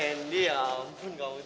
kendi ya ampun kamu tuh